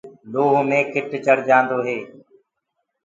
لوه مي جنگ چڙهجآدو هي۔